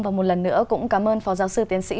và một lần nữa cũng cảm ơn phó giáo sư tiến sĩ